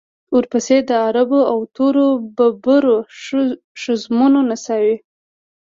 ورپسې د عربو او تورو بربرو ښځمنو نڅاوې.